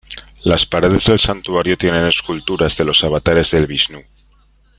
Las paredes del santuario tienen esculturas de los avatares de Vishnú.